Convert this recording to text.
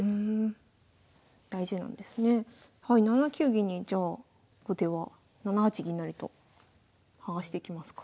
銀にじゃあ後手は７八銀成と剥がしてきますか。